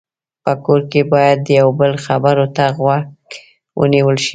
په کور کې باید د یو بل خبرو ته غوږ ونیول شي.